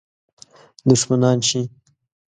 دښمنان شي.